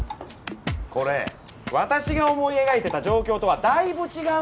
これ私が思い描いてた状況とはだいぶ違うんだけど。